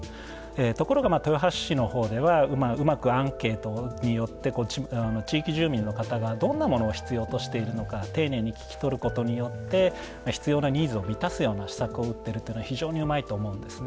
ところが豊橋市の方ではうまくアンケートによって地域住民の方がどんなものを必要としているのか丁寧に聞き取ることによって必要なニーズを満たすような施策を打っているというのは非常にうまいと思うんですね。